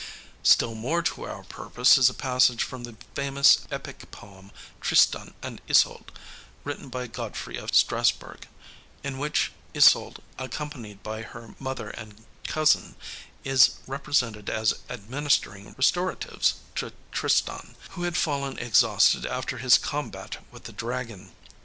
Still more to our purpose is a passage from the famous epic poem, Tristan and Isolde, written by Godfrey of Strasburg, in which Isolde, accompanied by her mother and cousin, is represented as administering restoratives to Tristan, who had fallen exhausted after his combat with the dragon.